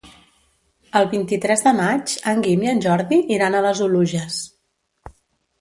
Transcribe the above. El vint-i-tres de maig en Guim i en Jordi iran a les Oluges.